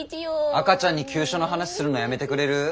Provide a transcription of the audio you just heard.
赤ちゃんに急所の話するのやめてくれる？